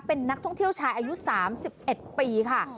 เป็นนักท่องเที่ยวชายอายุ๓๑ปีค่ะ